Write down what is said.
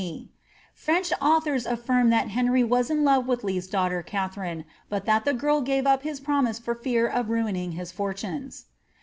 The French authors afiirtn that Henry was in love with Lee's daughter Katherine, but that the girl gKft up his promise for fear of ruining his fortunes.'